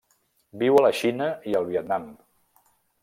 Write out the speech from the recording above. Viu a la Xina i el Vietnam.